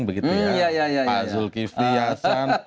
pak sul kivli hasan